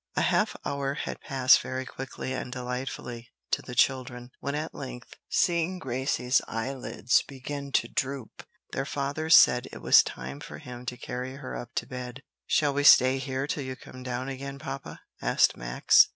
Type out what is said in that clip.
A half hour had passed very quickly and delightfully to the children, when at length, seeing Gracie's eyelids begin to droop, their father said it was time for him to carry her up to bed. "Shall we stay here till you come down again, papa?" asked Max.